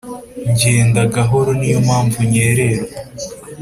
njyenda gahoro niyo mpamvu nkererwa